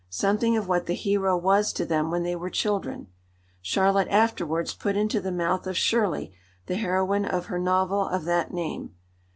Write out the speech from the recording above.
Something of what the hero was to them when they were children, Charlotte afterwards put into the mouth of Shirley, the heroine of her novel of that name.